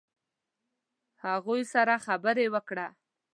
هغوی سره خبرې وکړه.